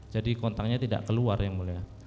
jadi kontaknya tidak keluar yang mulia